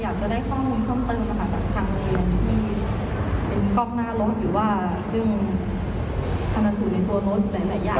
อยากจะได้ความช่องเติมจากทางเรียนที่เป็นกล้องหน้ารถหรือว่าเครื่องขนาดศูนย์ในตัวรถหรือหลายอย่าง